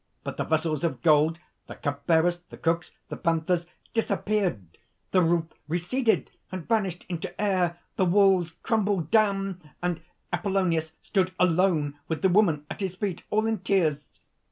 But the vessels of gold, the cupbearers, the cooks, the panthers disappeared; the roof receded and vanished into air; the walls crumbled down; and Apollonius stood alone with the woman at his feet, all in tears.